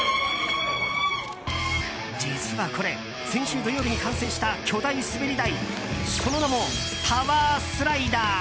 実はこれ先週土曜日に完成した巨大滑り台その名もＴＯＷＥＲＳＬＩＤＥＲ。